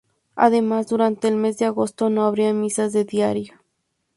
Además, durante el mes de agosto no habrá misas de diario.